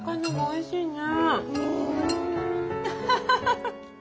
おいしいね。